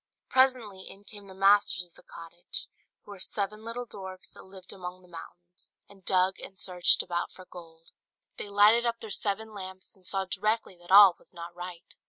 Presently in came the masters of the cottage, who were seven little dwarfs that lived among the mountains, and dug and searched about for gold. They lighted up their seven lamps, and saw directly that all was not right.